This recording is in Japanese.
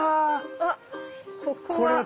あここは。